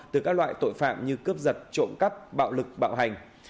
từ các loại tội phạm như cướp giật trộm cắp bạo lực bạo hành